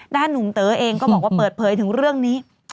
หนุ่มเต๋อเองก็บอกว่าเปิดเผยถึงเรื่องนี้